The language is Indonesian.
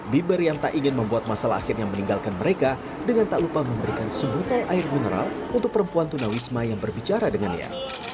bieber yang tak ingin membuat masalah akhirnya meninggalkan mereka dengan tak lupa memberikan sebutan air mineral untuk perempuan tuna wisma yang berbicara dengannya